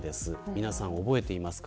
皆さん覚えていますか。